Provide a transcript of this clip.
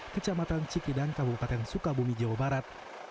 kecamatan cikidang kabupaten sukabumi jawa barat